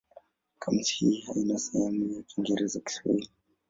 Kamusi hii haina sehemu ya Kiingereza-Kiswahili.